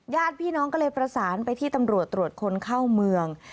ญาติพี่น้องก็เลยประสานไปที่ตำรวจตรวจคนเข้าเมือง